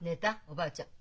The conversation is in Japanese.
おばあちゃん。